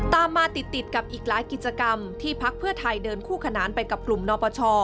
ตามมาติดกับอีกหลายกิจกรรมที่พักเพื่อไทยเดินคู่ขนานไปกับกลุ่มนปช